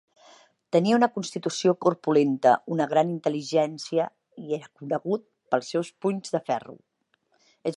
Tenia una constitució corpulenta, una gran intel·ligència i era conegut pels seus punys de ferro.